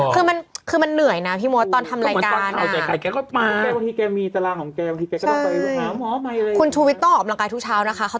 หรอคือมันเหนื่อยนะพี่โมทตอนทำรายการอ่ะต้องมาตั้งข่าวใจใครแกก็ปลา